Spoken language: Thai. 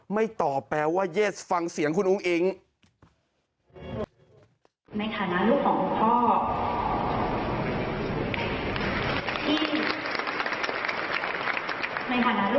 ไม่ตอบแปลว่าเย็ดฟังเสียงคุณอุ้งอิง